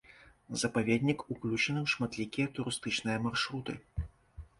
Запаведнік уключаны ў шматлікія турыстычныя маршруты.